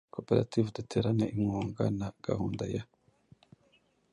Koperative Duterane inkunga na gahunda ya “